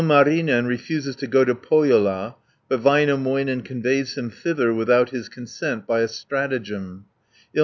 Ilmarinen refuses to go to Pohjola, but Väinämöinen conveys him thither without his consent by a stratagem (101 200).